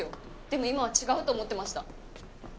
でも今は違うと思ってました。